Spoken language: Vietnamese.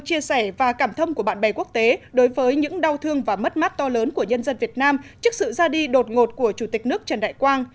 chia sẻ và cảm thâm của bạn bè quốc tế đối với những đau thương và mất mát to lớn của nhân dân việt nam trước sự ra đi đột ngột của chủ tịch nước trần đại quang